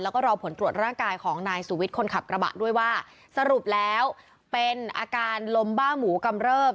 แล้วก็รอผลตรวจร่างกายของนายสุวิทย์คนขับกระบะด้วยว่าสรุปแล้วเป็นอาการลมบ้าหมูกำเริบ